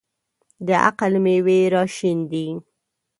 د عقل مېوې راشنېدې.